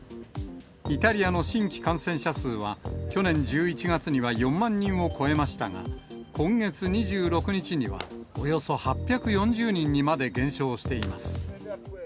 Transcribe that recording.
イタリアの新規感染者数は、去年１１月には４万人を超えましたが、今月２６日にはおよそ８４０人にまで減少しています。